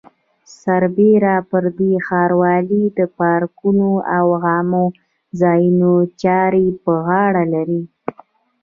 سربېره پر دې ښاروالۍ د پارکونو او عامه ځایونو چارې په غاړه لري.